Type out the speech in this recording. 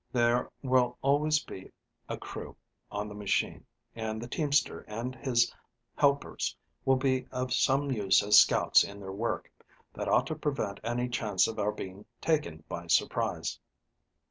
There will always be a crew on the machine, and the teamster and his helpers will be of some use as scouts in their work. That ought to prevent any chance of our being taken by surprise."